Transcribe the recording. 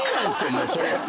もうそれって。